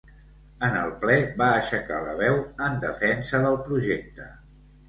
En el ple va aixecar la veu en defensa del projecte.